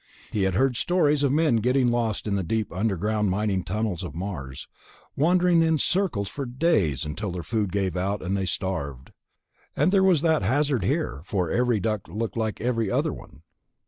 He had heard stories of men getting lost in the deep underground mining tunnels on Mars, wandering in circles for days until their food gave out and they starved. And there was that hazard here, for every duct looked like every other one.